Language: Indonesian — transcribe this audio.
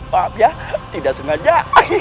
maaf ya tidak sengaja